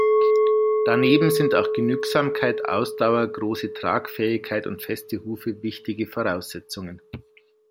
Daneben sind auch Genügsamkeit, Ausdauer, große Tragfähigkeit und feste Hufe wichtige Voraussetzungen.